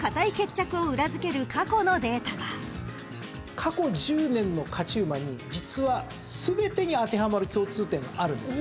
過去１０年の勝ち馬に実は全てに当てはまる共通点があるんですよ。